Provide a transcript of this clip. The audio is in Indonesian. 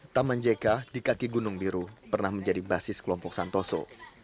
taman jk di kaki gunung biru pernah menjadi basis kelompok santoso